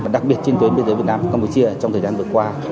đặc biệt trên tuyến biên giới việt nam và campuchia trong thời gian vừa qua